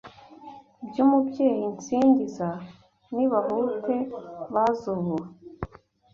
By’Umubyeyi nsingiza Nibahute baze ubu